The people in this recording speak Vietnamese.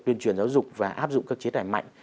tuyên truyền giáo dục và áp dụng các chế tài mạnh